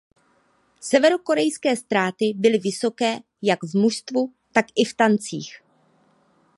Severokorejské ztráty byly vysoké jak v mužstvu tak i v tancích.